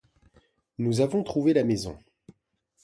Nous avons trouvé la maison.